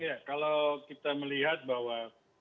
ya kalau kita melihat bahwa